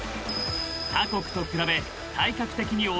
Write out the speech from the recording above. ［他国と比べ］